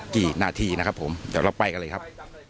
กี่นาทีนะครับผมเดี๋ยวเราไปกันเลยครับ